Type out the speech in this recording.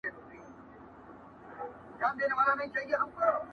٫د هر اواز سره واخ، واخ پورته کړي٫